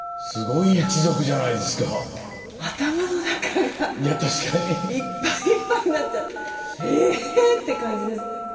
いやもう頭の中がいっぱいいっぱいになっちゃってええって感じです。